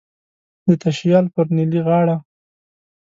د تشیال پر نیلی غاړه